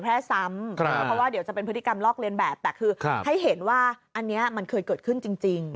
เพราะว่าเดี๋ยวจะเป็นพฤติกรรมลอกเลียนแบบแต่คือให้เห็นว่าอันนี้มันเคยเกิดขึ้นจริง